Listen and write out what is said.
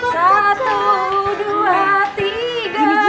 satu dua tiga